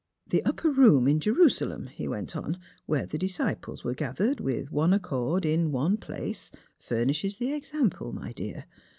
" The upper room in Jerusalem," he went on, " where the disciples were gathered, with one ac cord, in one place, furnishes the example, my dear.